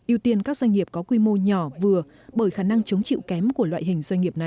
ưu tiên các doanh nghiệp có quy mô nhỏ vừa bởi khả năng chống chịu kém của loại hình doanh nghiệp này